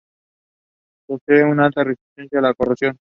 Posee una alta resistencia a la corrosión.